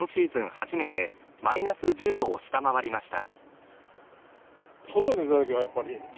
初めてマイナス１０度を下回りました